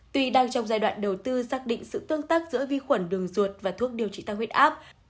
tuy đang trong giai đoạn đầu tư xác định sự tương tác giữa vi khuẩn đường ruột và thuốc điều trị tăng huyết áp